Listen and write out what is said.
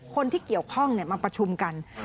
คนที่เกี่ยวข้องมาประชุมกัน